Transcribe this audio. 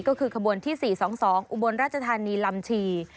ก็คือขบวนที่๔๒๒อุบลราชธานีลำชี